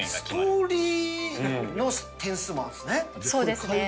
ストーリーの点数もあるんでそうですね。